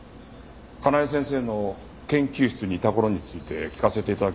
香奈枝先生の研究室にいた頃について聞かせて頂け。